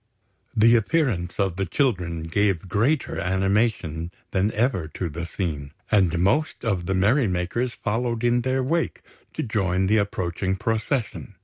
The appearance of the children gave greater animation than ever to the scene; and most of the merry makers followed in their wake to join the approaching procession.